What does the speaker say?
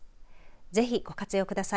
ぜひ、ご活用ください。